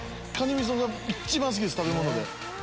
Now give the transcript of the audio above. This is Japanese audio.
みそが一番好きです食べ物で。